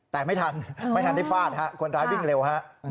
แต่ไม่ทันไม่ทันได้ฟาดฮะคนร้ายวิ่งเร็วฮะ